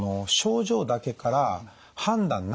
症状だけから判断